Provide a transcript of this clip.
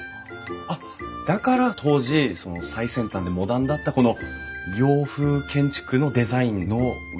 あっだから当時最先端でモダンだったこの洋風建築のデザインの外観なんですかね？